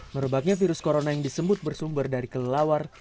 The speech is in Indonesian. merebaknya virus corona yang disebut bersumber dari kelelawar